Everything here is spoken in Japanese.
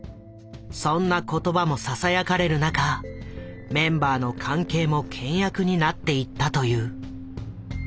そんな言葉もささやかれる中メンバーの関係も険悪になっていったという。